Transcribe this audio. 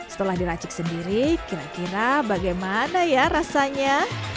setelah diracik sendiri kira kira bagaimana ya rasanya